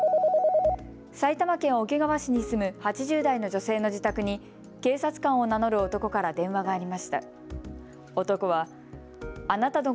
埼玉県桶川市に住む８０代の女性の自宅に警察官を名乗る男から電話がありました。